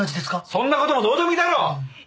そんな事もどうでもいいだろう！